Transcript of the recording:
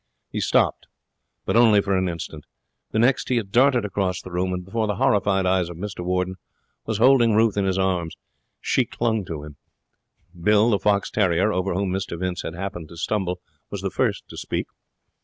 He stopped, but only for an instant. The next he had darted across the room, and, before the horrified eyes of Mr Warden, was holding Ruth in his arms. She clung to him. Bill, the fox terrier, over whom Mr Vince had happened to stumble, was the first to speak.